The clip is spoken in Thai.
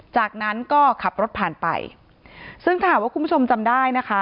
จากนั้นก็ขับรถผ่านไปซึ่งถ้าหากว่าคุณผู้ชมจำได้นะคะ